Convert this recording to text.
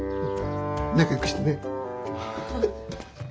仲よくしてね。